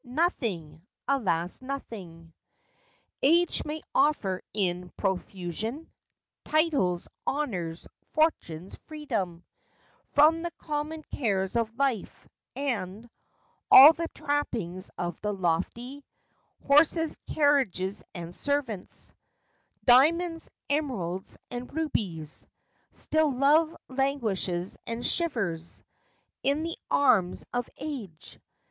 nothing! alas, nothing! Age may offer in profusion Titles, honors, fortunes, freedom From the common cares of life—and All the trappings of the lofty : Horses, carriages, and servants; Diamonds, emeralds, and rubies; Still love languishes and shivers In the arms of age.